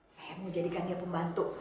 saya mau jadikannya pembantu